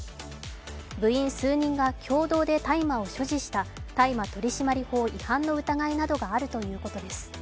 部員数人が共同で大麻を所持した大麻取締法違反の疑いなどがあるということです。